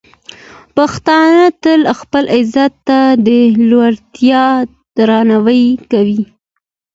پښتانه تل خپل عزت ته د لوړتیا درناوی کوي.